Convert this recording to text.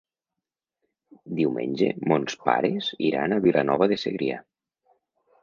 Diumenge mons pares iran a Vilanova de Segrià.